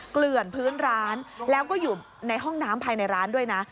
เกลื่อนพื้นร้านแล้วก็อยู่ในห้องน้ำภายในร้านด้วยนะ